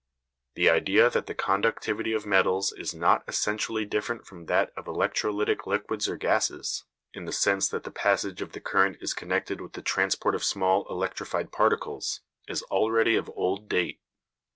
The idea that the conductivity of metals is not essentially different from that of electrolytic liquids or gases, in the sense that the passage of the current is connected with the transport of small electrified particles, is already of old date.